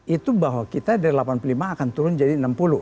itu bahwa kita dari delapan puluh lima akan turun jadi enam puluh